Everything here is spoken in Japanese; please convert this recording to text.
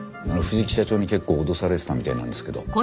藤木社長に結構脅されてたみたいなんですけど。